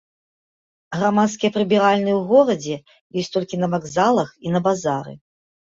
Грамадскія прыбіральні ў горадзе ёсць толькі на вакзалах і на базары.